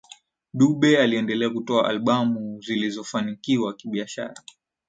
Dube aliendelea kutoa albamu zilizofanikiwa kibiashara